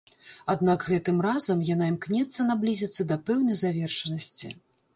Аднак гэтым разам яна імкнецца наблізіцца да пэўнай завершанасці.